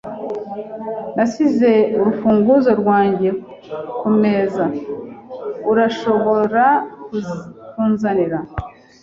Nasize urufunguzo rwanjye kumeza. Urashobora kunzanira?